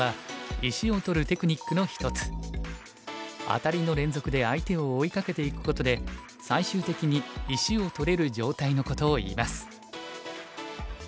アタリの連続で相手を追いかけていくことで最終的に石を取れる状態のことをいいます。